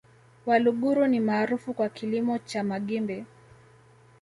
Waluguru ni maarufu kwa kilimo cha magimbi